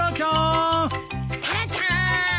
タラちゃーん。